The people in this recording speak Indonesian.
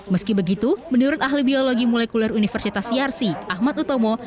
meski begitu menurut ahli biologi molekuler universitas yarsi ahmad utomo